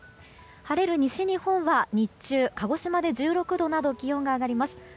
晴れる西日本は日中、鹿児島で１６度など気温が上がります。